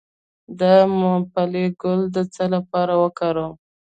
د ممپلی ګل د څه لپاره وکاروم؟